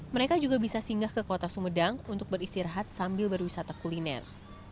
mereka juga bisa singgah ke kota sumedang untuk beristirahat sambil berwisata kuliner